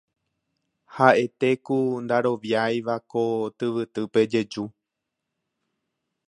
ha'ete ku ndaroviáiva ko tyvytýpe jeju